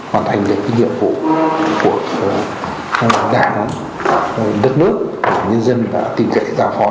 hoàn thành được nhiệm vụ của đảng đất nước nhân dân và tỉnh dậy giả phó